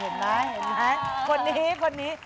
เห็นไหมคนนี้คนนี้